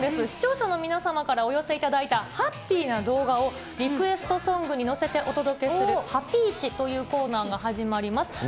視聴者の皆様からお寄せいただいたハッピーな動画を、リクエストソングに乗せてお届けするハピイチというコーナーが始まります。